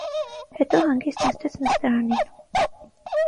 Հետո հանգիստ նստեց նստարանին։